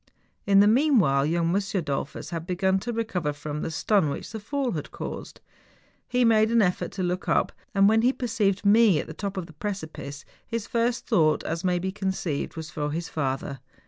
In tlie meanwhile, young M. Dollfus had begun to recover from the stun which the fall liad caused. He made an effort to look up, and when he per¬ ceived me at the top of the precipice, his first thought as may be conceived, was for his father.